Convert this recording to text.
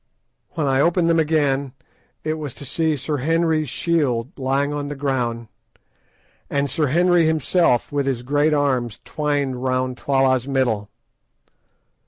When I opened them again it was to see Sir Henry's shield lying on the ground, and Sir Henry himself with his great arms twined round Twala's middle.